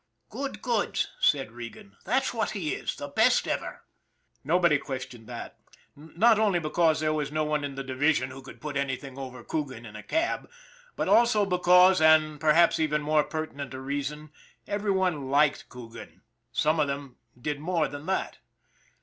" Good goods," said Regan. " That's what he is. The best ever." Nobody questioned that, not only because there was no one on the division who could put anything over Coogan in a cab, but also because, and perhaps even more pertinent a reason, every one liked Coogan some of them did more than that.